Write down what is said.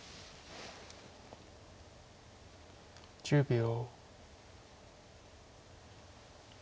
１０秒。